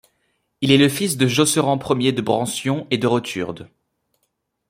Il est le fils de Josserand Ier de Brancion et de Roturde.